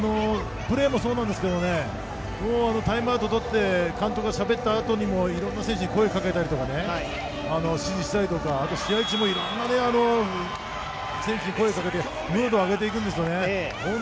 プレーもそうなんですけどもタイムアウトを取って監督がしゃべったあとにもいろんな選手に声をかけたり指示したり、試合中もいろんな選手に声をかけて、ムードを上げていくんですよね。